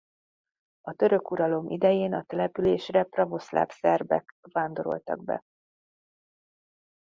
A török uralom idején a településre pravoszláv szerbek vándoroltak be.